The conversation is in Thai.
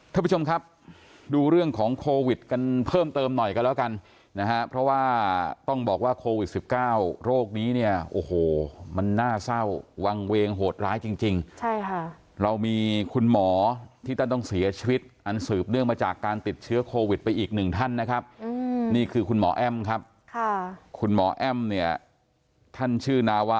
ท่านผู้ชมครับดูเรื่องของโควิดกันเพิ่มเติมหน่อยกันแล้วกันนะฮะเพราะว่าต้องบอกว่าโควิดสิบเก้าโรคนี้เนี่ยโอ้โหมันน่าเศร้าวังเวงโหดร้ายจริงจริงใช่ค่ะเรามีคุณหมอที่ท่านต้องเสียชีวิตอันสืบเนื่องมาจากการติดเชื้อโควิดไปอีกหนึ่งท่านนะครับนี่คือคุณหมอแอ้มครับค่ะคุณหมอแอ้มเนี่ยท่านชื่อนาว